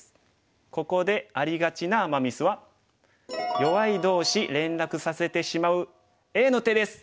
ここでありがちなアマ・ミスは弱い同士連絡させてしまうＡの手です。